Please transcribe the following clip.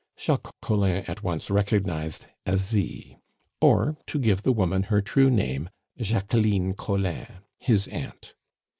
Jacques Collin at once recognized Asie, or, to give the woman her true name, Jacqueline Collin, his aunt.